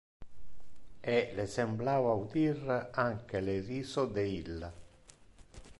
E le semblava audir anque le riso de illa.